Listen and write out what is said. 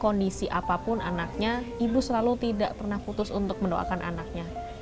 kondisi apapun anaknya ibu selalu tidak pernah putus untuk mendoakan anaknya